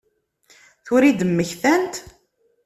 Tura i d-mmektant?